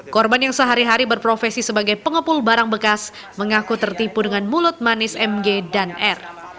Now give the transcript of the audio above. korban yang sehari hari berprofesi sebagai pengepul barang bekas mengaku tertipu dengan mulut manis mg dan r